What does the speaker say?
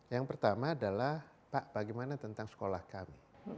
yang pertama adalah pak bagaimana tentang sekolah kami